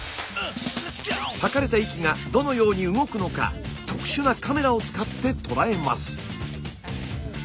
吐かれた息がどのように動くのか特殊なカメラを使って捉えます。